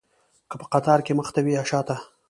که په قطار کې مخته وي یا شاته.